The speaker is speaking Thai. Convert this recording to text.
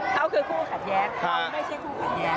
เขาคือคู่ขัดแย้งไม่ใช่คู่ขัดแย้ง